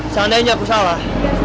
seandainya aku salah